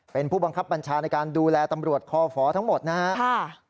เป็นผู้บังคับบัญชาในการดูแลตำรวจคอฝทั้งหมดนะครับ